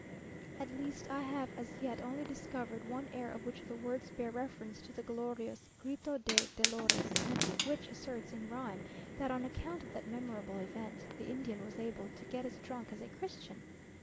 At least I have as yet only discovered one air of which the words bear reference to the glorious "Grito de Dolores," and which asserts in rhyme that on account of that memorable event, the Indian was able to get as drunk as a Christian!